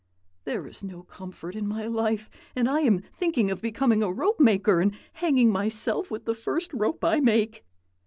There is no comfort in my life, and I am thinking of becoming a rope maker and hanging myself with the first rope I make.'